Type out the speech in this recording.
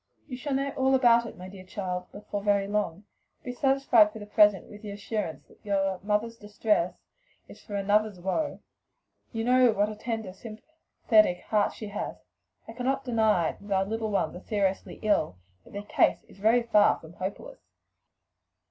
"You shall know all about it, my dear child, before very long. Be satisfied for the present with the assurance that your mother's distress is for another's woe. You know what a tender, sympathetic heart she has. I cannot deny that our little ones are seriously ill, but their case is very far from hopeless."